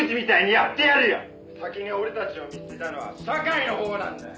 「先に俺たちを見捨てたのは社会のほうなんだよ」